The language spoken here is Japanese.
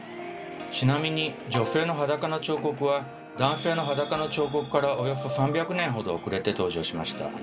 ちなみに女性の裸の彫刻は男性の裸の彫刻からおよそ３００年ほど遅れて登場しました。